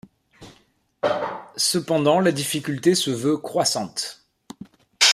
Cependant la difficulté se veut croissante.